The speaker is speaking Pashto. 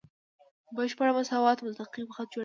بشپړ مساوات مستقیم خط جوړوي.